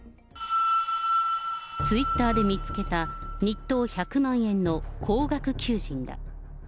ツイッターで見つけた、日当１００万円の高額求人だ。